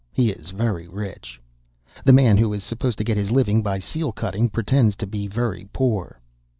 He is very rich. The man who is supposed to get his living by seal cutting pretends to be very poor.